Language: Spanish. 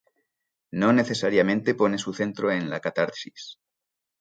No necesariamente pone su centro en la catarsis.